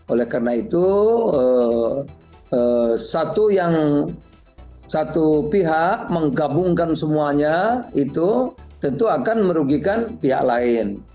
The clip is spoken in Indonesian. oleh karena itu satu pihak menggabungkan semuanya itu tentu akan merugikan pihak lain